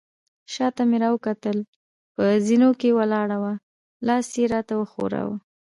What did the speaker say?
شاته مې راوکتل، په زینو کې ولاړه وه، لاس يې راته وښوراوه.